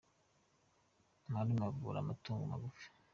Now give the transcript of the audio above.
Marume avura amatungo magufi.